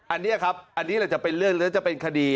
อันนี้ครับอันนี้แหละจะเป็นเรื่องหรือจะเป็นคดี